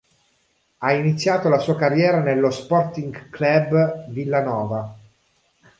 Ha iniziato la sua carriera nello Sporting Club Villanova.